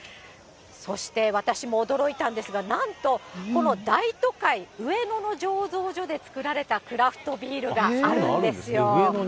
そして、私も驚いたんですが、なんとこの大都会・上野の醸造所で作られたクラフトビールがあるんですよ。